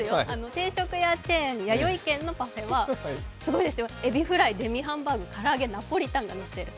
定食屋チェーン、やよい軒のパフェはえびフライ、デミハンバーグ、唐揚げ、ナポリタンがのってる。